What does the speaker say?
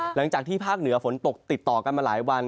หลังจากที่ภาคเหนือฝนตกติดต่อกันมาหลายวัน